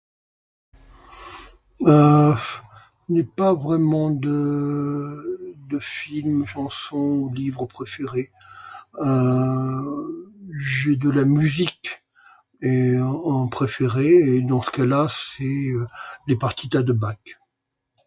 je n'ai as films préférés